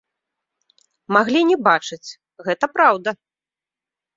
Маглі не бачыць, гэта праўда.